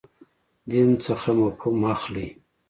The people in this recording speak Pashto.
دین څخه مفهوم اخلئ.